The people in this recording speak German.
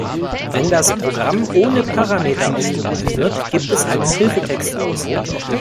Wenn das Programm ohne Parameter aufgerufen wird, gibt es einen Hilfetext aus.